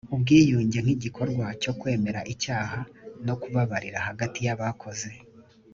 ubwiyunge nk igikorwa cyo kwemera icyaha no kubabarira hagati y abakoze